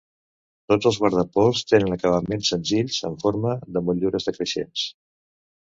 Tots els guardapols tenen acabaments senzills en forma de motllures decreixents.